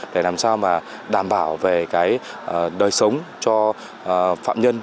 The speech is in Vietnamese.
để làm sao mà đảm bảo về cái đời sống cho phạm nhân